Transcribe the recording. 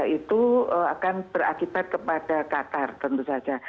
itu akan berakibat kepada qatar tentu saja